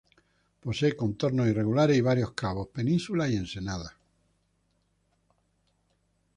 Posee contornos irregulares y varios cabos, penínsulas y ensenadas.